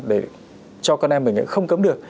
để cho con em mình không cấm được